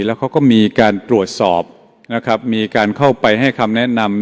แล้วเขาก็มีการตรวจสอบนะครับมีการเข้าไปให้คำแนะนำ